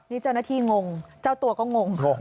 นี่เจ้าหน้าที่งงเจ้าตัวก็งง